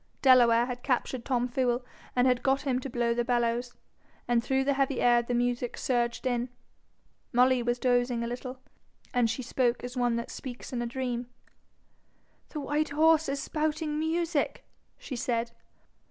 Delaware had captured Tom Fool and got him to blow the bellows, and through the heavy air the music surged in. Molly was dozing a little, and she spoke as one that speaks in a dream. 'The white horse is spouting music,' she said.